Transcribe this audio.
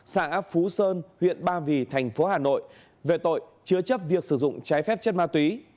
xã phú sơn huyện ba vì thành phố hà nội về tội chứa chấp việc sử dụng trái phép chất ma túy